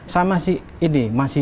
saya masih ini